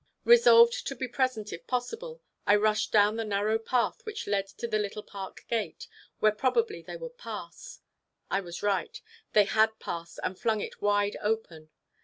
Resolved to be present, if possible, I rushed down the narrow path which led to the little park gate, where probably they would pass. I was right: they had passed, and flung it wide open.